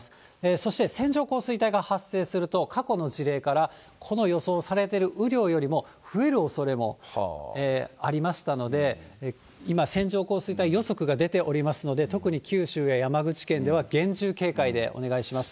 そして線状降水帯が発生すると、過去の事例から、この予想されてる雨量よりも増えるおそれもありましたので、今、線状降水帯予測が出ておりますので、特に九州や山口県では厳重警戒でお願いします。